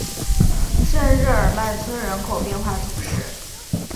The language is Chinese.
圣日耳曼村人口变化图示